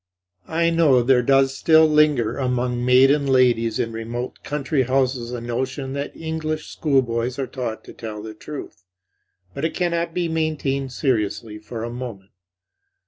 I know there does still linger among maiden ladies in remote country houses a notion that English schoolboys are taught to tell the truth, but it cannot be maintained seriously for a moment.